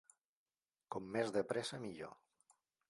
Com més de pressa millor.